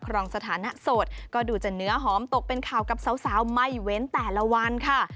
รองสถานะโสดก็ดูจะเนื้อหอมตกเป็นข่าวกับสาวไม่เว้นแต่ละวันค่ะ